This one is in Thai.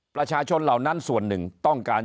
ประชาชนเหล่านั้นส่วนหนึ่งต้องการ